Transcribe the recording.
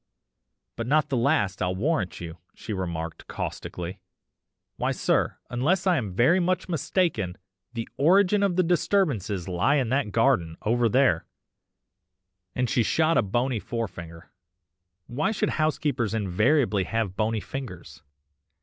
"'But not the last, I'll warrant you,' she remarked caustically. 'Why sir, unless I am very much mistaken, the origin of the disturbances lies in that garden, over there,' and she shot a bony forefinger (why should housekeepers invariably have bony fingers?)